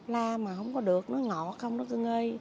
la mà không có được nó ngọt không đó kinh ơi